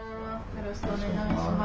よろしくお願いします。